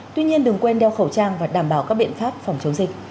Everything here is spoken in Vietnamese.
tuy nhiên đừng quên đeo khẩu trang và đảm bảo các biện pháp phòng chống dịch